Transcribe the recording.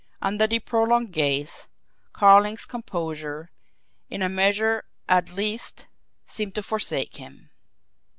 Under the prolonged gaze, Carling's composure, in a measure at least, seemed to forsake him.